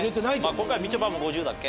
今回はみちょぱも５０だっけ？